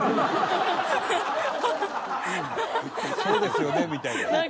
「“そうですよね？”みたいな」